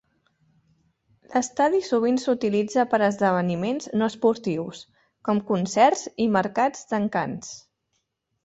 L'estadi sovint s'utilitza per a esdeveniments no esportius, com concerts i mercats d'encants.